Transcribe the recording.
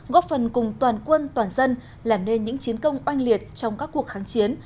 góp phần cùng toàn quân toàn dân làm nên những chiến công oanh liệt trong các cuộc kháng chiến